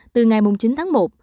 từ ngày chín tháng một